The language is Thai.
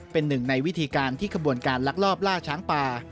เป็นหนึ่งในวิธีการที่ขบวนการลักลอบล่าช้างป่า